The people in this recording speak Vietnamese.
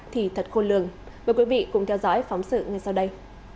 thì thật khôn lường mời quý vị cùng theo dõi phóng sự ngay sau đây